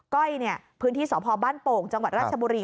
ก้อยพื้นที่สพบ้านโป่งจังหวัดราชบุรี